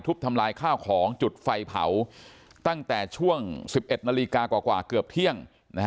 ทำลายข้าวของจุดไฟเผาตั้งแต่ช่วง๑๑นาฬิกากว่าเกือบเที่ยง